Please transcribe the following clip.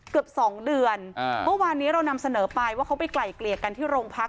เกือบสองเดือนอ่าเมื่อวานนี้เรานำเสนอไปว่าเขาไปไกลเกลี่ยกันที่โรงพัก